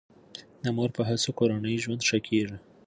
د مور په هڅو کورنی ژوند ښه کیږي.